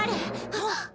あっ。